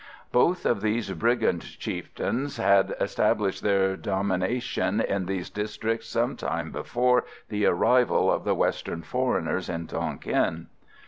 Both of these brigand chieftains had established their domination in these districts some time before the arrival of the Western foreigners in Tonquin.